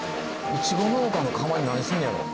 いちご農家の釜で何すんのやろ。